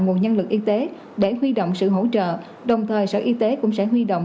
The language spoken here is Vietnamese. nguồn nhân lực y tế để huy động sự hỗ trợ đồng thời sở y tế cũng sẽ huy động